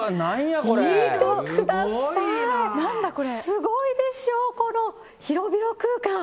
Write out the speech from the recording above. すごいでしょう、この広々空間。